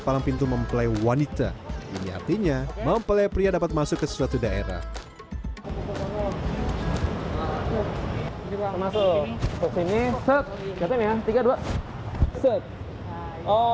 palang pintu mempelai wanita ini artinya mempelai pria dapat masuk ke suatu daerah